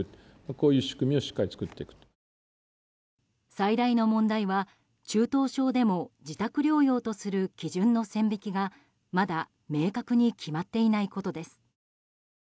最大の問題は中等症でも自宅療養とする基準の線引きが、まだ明確に決まっていないことです。